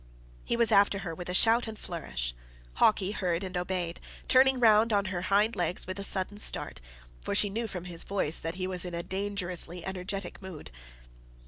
He was after her with shout and flourish. Hawkie heard and obeyed, turning round on her hind legs with a sudden start, for she knew from his voice that he was in a dangerously energetic mood.